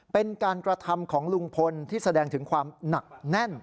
เป็นการกระทำของลุงพลที่แสดงถึงความหนักแน่น